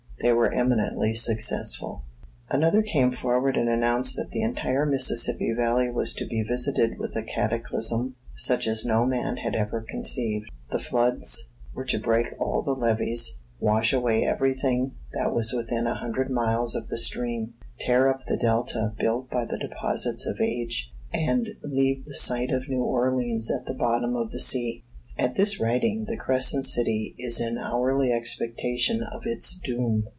They were eminently successful. Another came forward and announced that the entire Mississippi valley was to be visited with a cataclysm, such as no man had ever conceived. The floods were to break all the levees, wash away everything that was within a hundred miles of the stream, tear up the delta built by the deposits of ages, and leave the site of New Orleans at the bottom of the sea. At this writing the Crescent City is in hourly expectation of its doom.